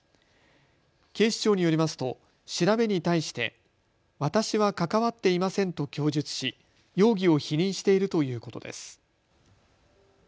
警視庁によりますと調べに対して私は関わっていませんと供述し、容疑を否認しているということです。